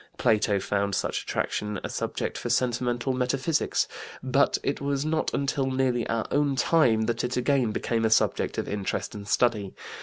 Plato found such attraction a subject for sentimental metaphysics, but it was not until nearly our own time that it again became a subject of interest and study.